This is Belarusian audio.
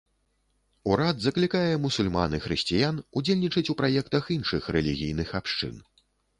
Урад заклікае мусульман і хрысціян ўдзельнічаць ў праектах іншых рэлігійных абшчын.